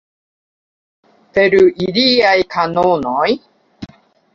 Per iliaj kanonoj?